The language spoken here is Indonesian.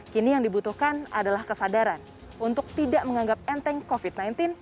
kini yang dibutuhkan adalah kesadaran untuk tidak menganggap enteng covid sembilan belas